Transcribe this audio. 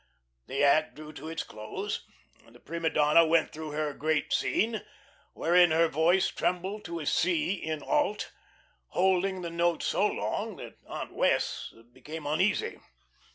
The act drew to its close. The prima donna went through her "great scene," wherein her voice climbed to C in alt, holding the note so long that Aunt Wess' became uneasy.